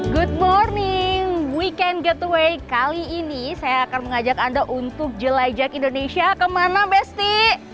good morning weekend getaway kali ini saya akan mengajak anda untuk jelajah indonesia kemana besti